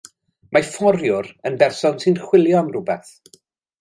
Mae fforiwr yn berson sy'n chwilio am rywbeth.